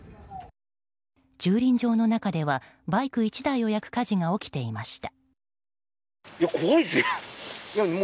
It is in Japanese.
駐輪場の中ではバイク１台を焼く火事が起きていました。